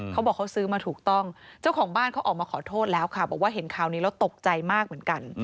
เขาบอกเขาซื้อมาถูกต้องเจ้าของบ้านเขาออกมาขอโทษแล้วค่ะบอกว่าเห็นข่าวนี้แล้วตกใจมากเหมือนกัน